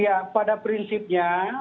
ya pada prinsipnya